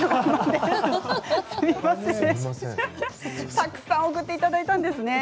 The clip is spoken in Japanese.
すみません、たくさん送っていただいたんですね。